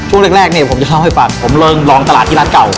ช่วงแรกเนี่ยผมจะเล่าให้ฟังผมเริงลองตลาดที่ร้านเก่า